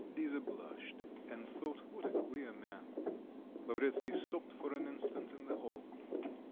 Lisa blushed and thought what a queer man. Lavretsky stopped for an instant in the hall.